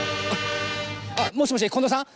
あっもしもし近藤さん？